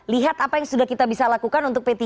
lihat apa yang sudah kita bisa lakukan untuk p tiga